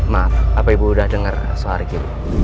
maaf apa ibu udah denger soal riki